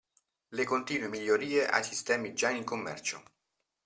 Le continue migliorie ai sistemi già in commercio.